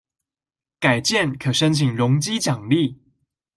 改建可申請容積獎勵